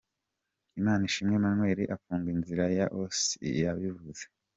Imanishimwe Emmanuel afunga inzira ya Osee Iyabivuze.